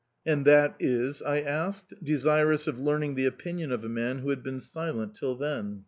"And that is ?" I asked, desirous of learning the opinion of a man who had been silent till then.